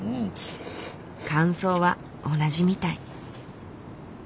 感想は同じみたい。